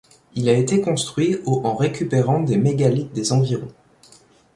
Il a été construit au en récupérant des mégalithes des environs.